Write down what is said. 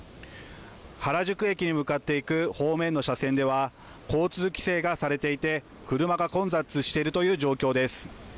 原宿駅に向かっていく方面の車線では交通規制がされていて車が混雑しているという状況です。